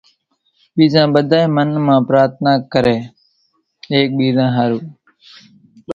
ٻيزان ٻڌانئين پڻ منَ مان پرارٿنا ڪري ايڪ ٻيزا ۿارُو